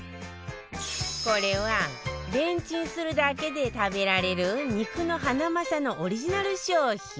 これはレンチンするだけで食べられる肉のハナマサのオリジナル商品